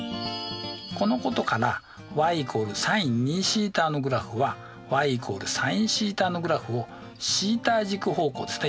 このことからｙ＝ｓｉｎ２θのグラフはｙ＝ｓｉｎθのグラフをθ軸方向ですね